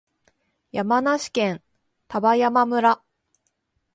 山梨県丹波山村